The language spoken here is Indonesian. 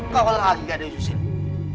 kau lagi tidak ada yang bisa diusir